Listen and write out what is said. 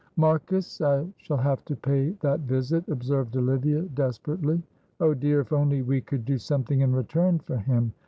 "Marcus, I shall have to pay that visit," observed Olivia, desperately. "Oh, dear, if only we could do something in return for him!